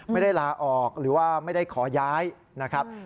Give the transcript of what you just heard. ไม่ได้ลาออกหรือว่าไม่ได้ขอย้ายนะครับ